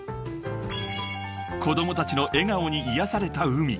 ［子供たちの笑顔に癒やされたＵＭＩ］